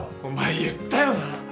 お前言ったよな？